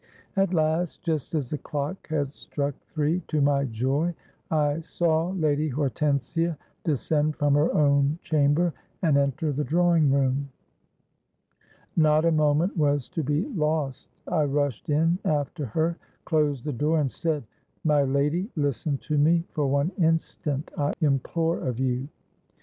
At last, just as the clock had struck three, to my joy I saw Lady Hortensia descend from her own chamber, and enter the drawing room. Not a moment was to be lost. I rushed in after her, closed the door, and said, 'My lady, listen to me for one instant, I implore of you.'